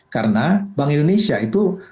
karena bank indonesia itu